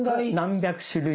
何百種類。